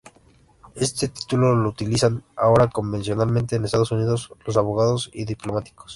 Este título lo utilizan ahora convencionalmente en Estados Unidos los abogados y diplomáticos.